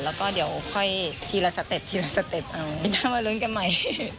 แล้วทีละสเต็ปมารุ้นกันใหม่